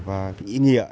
và ý nghĩa